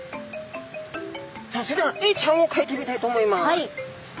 さあそれではエイちゃんをかいてみたいと思います。